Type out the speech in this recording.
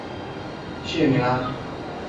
邪马台国的官吏中有大夫负责外交。